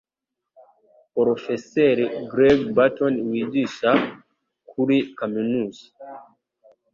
Porofeseri Greg Barton wigisha kuri Kaminuza